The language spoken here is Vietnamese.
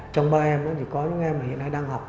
trong ba em có những em hiện nay đang học